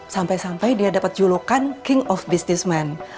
sampai sampai dia dapat julukan king of businessman